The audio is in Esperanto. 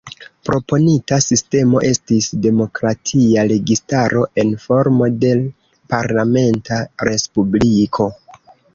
Proponita sistemo estis demokratia registaro en formo de parlamenta respubliko.